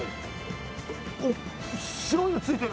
あっ白いの付いてる。